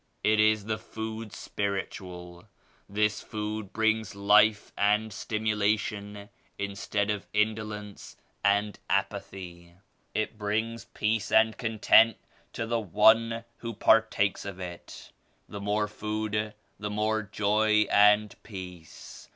It is the food spiritual. This food brings life and stimulation instead of indolence and apathy. It brings peace and content to the one who partakes of it; the more food the more joy and peace.